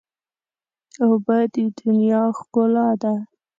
اوبه د دنیا ښکلا ده.